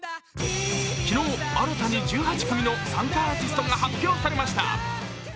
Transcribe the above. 昨日、新たに１８組の参加アーティストが発表されました。